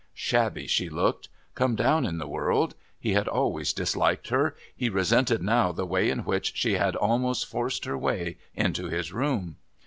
Shabby she looked. Come down in the world. He had always disliked her. He resented now the way in which she had almost forced her way into his room.